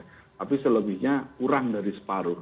tapi selebihnya kurang dari separuh